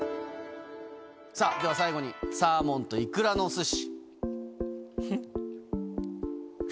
さあ、じゃあ、最後にサーモンといくらのおすし。